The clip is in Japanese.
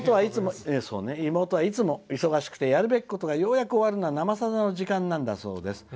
妹は、いつも忙しくてやるべきことがようやく終わるのが「生さだ」の時間なんだそうです」。